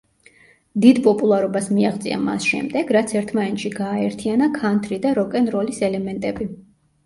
დიდ პოპულარობას მიაღწია მას შემდეგ, რაც ერთმანეთში გააერთიანა ქანთრი და როკ-ენ-როლის ელემენტები.